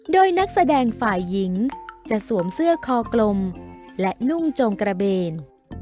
โดยนักแสดงฝ่ายหญิงจะสวมเสื้อคอกลมและนุ่งจงกระเบน